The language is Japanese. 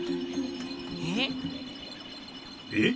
えっ？